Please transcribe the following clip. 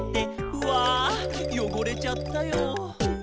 「うぁよごれちゃったよ」